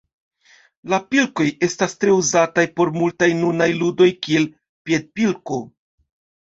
La pilkoj estas tre uzataj por multaj nunaj ludoj, kiel piedpilko.